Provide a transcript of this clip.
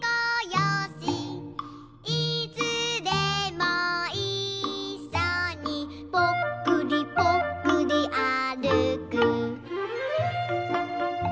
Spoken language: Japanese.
「いつでもいっしょにぽっくりぽっくりあるく」